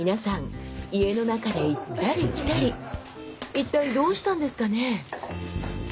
一体どうしたんですかね？